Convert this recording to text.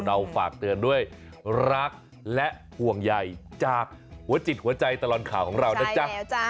ฝากเตือนด้วยรักและห่วงใหญ่จากหัวจิตหัวใจตลอดข่าวของเรานะจ๊ะ